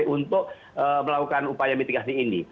untuk melakukan upaya mitigasi ini